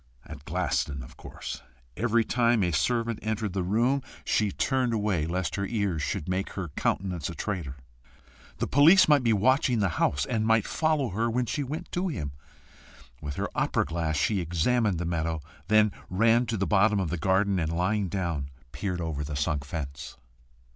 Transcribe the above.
At Glaston, of course. Every time a servant entered the room she turned away, lest her ears should make her countenance a traitor. The police might be watching the house, and might follow her when she went to him! With her opera glass, she examined the meadow, then ran to the bottom of the garden, and lying down, peered over the sunk fence.